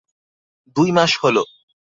দুই মাস হল।